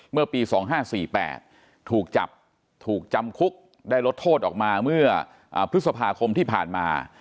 เมื่อปี๒๕๔๘ถูกจับถูกจำคุกได้ลดโทษออกมาเมื่อพฤษภาคมที่ผ่านมา